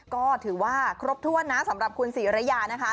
ก็ถือว่าครบถ้วนนะสำหรับคุณศรีรยานะคะ